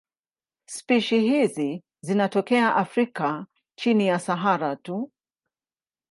Spishi hizi zinatokea Afrika chini ya Sahara tu.